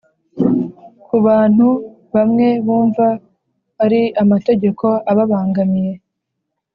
ku bantu bamwe bumva ari amategeko ababangamiye